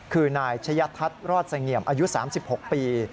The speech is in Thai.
คือนายชะยะทัศน์รอดเสงี่ยมอายุ๓๖ปี